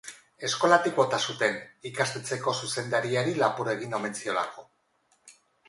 Eskolatik bota zuten, ikastetxeko zuzendariari lapur egin omen ziolako.